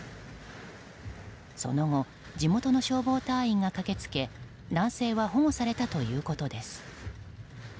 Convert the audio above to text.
その後地元の消防隊員が駆けつけ男性は保護されたということです。